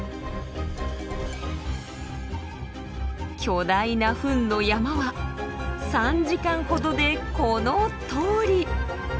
巨大なフンの山は３時間ほどでこのとおり。